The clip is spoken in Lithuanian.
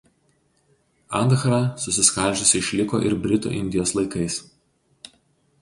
Andhra susiskaldžiusi išliko ir Britų Indijos laikais.